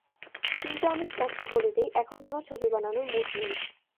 কিন্তু আমি স্পষ্ট বলে দিই, এখন কোনো ছবি বানানোর মতো মুড নেই।